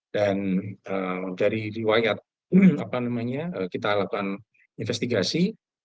dan dari riwayat kita lakukan investigasi